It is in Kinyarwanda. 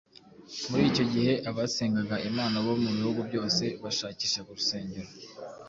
Muri icyo gihe, abasengaga Imana bo mu bihugu byose bashakishaga urusengero